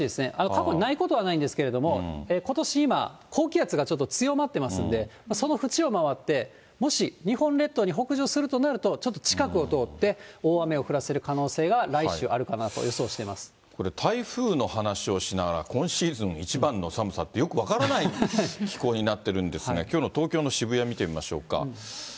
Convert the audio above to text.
過去にないことはないんですけれども、ことし、今、高気圧がちょっと強まってますんで、その縁を回って、もし、日本列島に北上するとなると、ちょっと近くを通って大雨を降らせる可能性が、これ、台風の話をしながら今シーズン一番の寒さって、よく分からない気候になってるんですが、きょうの東京の渋谷、見てみましょうか。